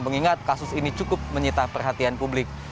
mengingat kasus ini cukup menyita perhatian publik